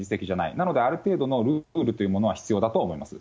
なので、ある程度のルールというものは必要だとは思います。